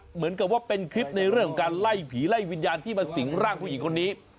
เหมือนกับว่าเป็นคลิปในเรื่องของการไล่ผีไล่วิญญาณที่มาสิงร่างผู้หญิงคนนี้